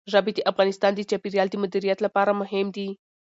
ژبې د افغانستان د چاپیریال د مدیریت لپاره مهم دي.